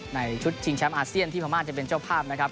ในชุดชิงแชมป์อาเซียนที่พม่าจะเป็นเจ้าภาพนะครับ